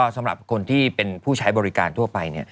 สำหรับคนที่เป็นผู้ใช้บริการทั่วไป